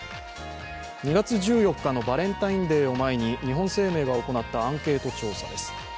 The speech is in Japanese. ２月１４日のバレンタインデーを前に日本生命が行ったアンケート調査です。